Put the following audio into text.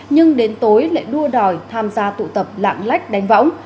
nhưng đến tối lại đua đòi tham gia tụ tập lạng lách đánh võng